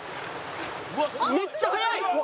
めっちゃ早い！